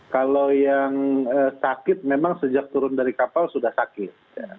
kalau yang sakit memang sejak turun dari kapal sudah sakit